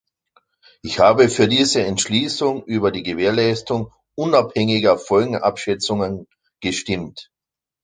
Ich habe für diese Entschließung über die Gewährleistung unabhängiger Folgenabschätzungen gestimmt.